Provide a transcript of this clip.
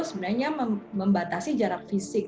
sebenarnya membatasi jarak fisik